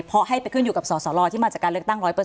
เพราะให้ไปขึ้นอยู่กับสสลที่มาจากการเลือกตั้ง๑๐๐